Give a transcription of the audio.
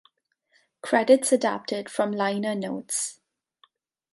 Credits adapted from liner notes